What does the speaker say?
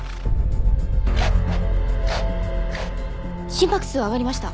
心拍数上がりました。